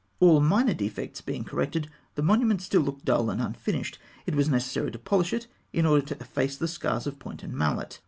All minor defects being corrected, the monument still looked dull and unfinished. It was necessary to polish it, in order to efface the scars of point and mallet.